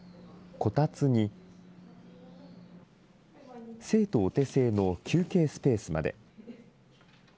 こたつに、生徒お手製の休憩スペースまで。